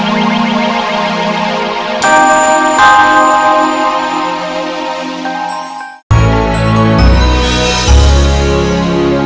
kita peningin kita